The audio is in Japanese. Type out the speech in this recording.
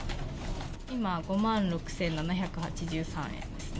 今、５万６７８３円ですね。